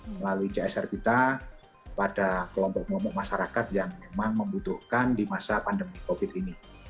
melalui csr kita pada kelompok kelompok masyarakat yang memang membutuhkan di masa pandemi covid ini